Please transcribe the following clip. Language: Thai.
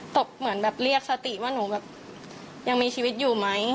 เหมือนแบบเรียกสติว่าหนูแบบยังมีชีวิตอยู่ไหม